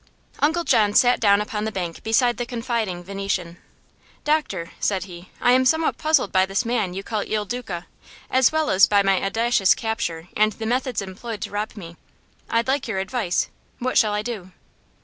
Uncle John sat down upon the bank beside the confiding Venetian. "Doctor," said he, "I am somewhat puzzled by this man you call Il Duca, as well as by my audacious capture and the methods employed to rob me. I'd like your advice. What shall I do?"